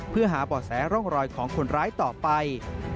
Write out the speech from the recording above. เพื่อหาบ่อแสร่องรอยของคนร้ายต่อไป